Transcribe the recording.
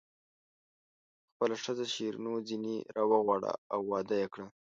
خپله ښځه شیرینو ځنې راوغواړه او واده یې کړه.